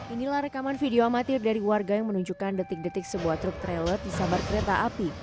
inilah rekaman video amatir dari warga yang menunjukkan detik detik sebuah truk trailer disambar kereta api